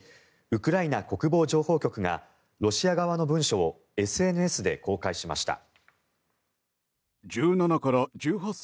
ウクライナ国防情報局がロシア側の文書をＳＮＳで公開しました。